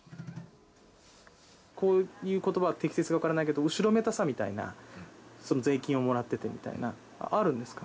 こういう言葉は適切かわからないけど後ろめたさみたいなその税金をもらっててみたいなあるんですか？